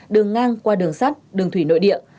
đường ngang qua đường sắt đường thủy nội địa